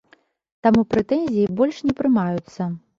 Таму прэтэнзіі больш не прымаюцца.